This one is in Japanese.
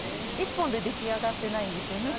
１本ででき上がってないんですよ。